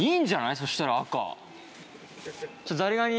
そしたら赤。